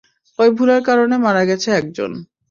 ঐ ভুলের কারণে মারা গেছে একজন।